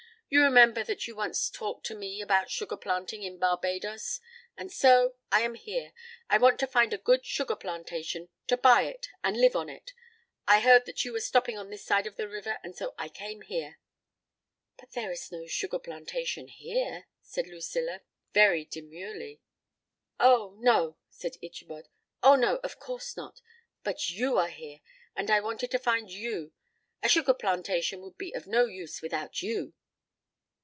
You remember that you once talked to me about sugar planting in Barbadoes, and so I am here. I want to find a good sugar plantation, to buy it, and live on it; I heard that you were stopping on this side of the river, and so I came here." "But there is no sugar plantation here," said Lucilla, very demurely. "Oh, no," said Ichabod, "oh, no, of course not; but you are here, and I wanted to find you; a sugar plantation would be of no use without you."